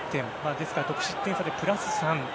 ですから得失点差でプラス３。